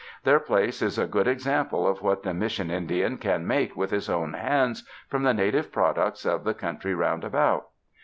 Their place is a good ex ample of what the Mission Indian can make with his own hands from the native products of the coun try roundabout.